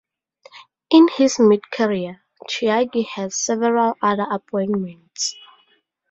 In his mid career, Tyagi had several other appointments.